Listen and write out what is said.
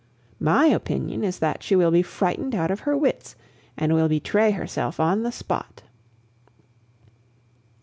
My opinion is that she will be frightened out of her wits, and will betray herself on the spot."